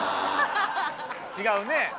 違うね。